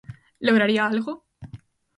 Lograría algo?